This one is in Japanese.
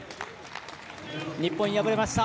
日本、敗れました。